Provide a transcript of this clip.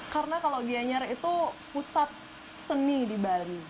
karena kalau gianyar itu pusat seni di bali